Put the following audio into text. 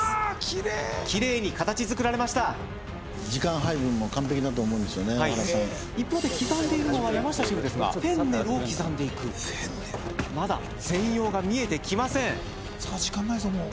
きれいきれいに形作られました時間配分も完璧だと思うんですよね大原さん一方で刻んでいるのは山下シェフですがフェンネルを刻んでいくまださあ時間ないぞもう